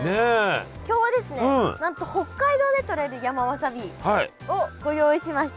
今日はですねなんと北海道でとれる山わさびをご用意しました。